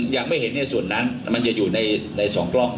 ยังไม่เห็นในส่วนนั้นมันจะอยู่ใน๒กล้อง